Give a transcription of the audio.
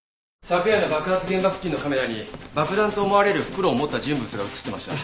昨夜の爆発現場付近のカメラに爆弾と思われる袋を持った人物が映ってました。